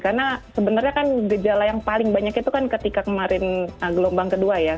karena sebenarnya kan gejala yang paling banyak itu kan ketika kemarin gelombang kedua ya